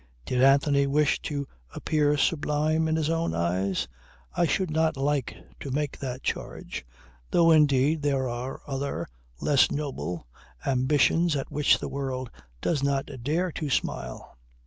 Did Anthony wish to appear sublime in his own eyes? I should not like to make that charge; though indeed there are other, less noble, ambitions at which the world does not dare to smile.